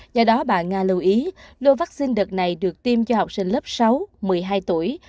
do đó bà nga lưu ý lô vaccine đợt này được tiêm cho học sinh lớp sáu một mươi hai tuổi